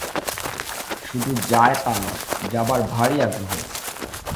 শুধু যায় তা নয়, যাবার ভারি আগ্রহ।